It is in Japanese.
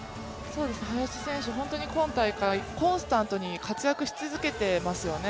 林選手、今大会、コンスタントに活躍し続けてますよね。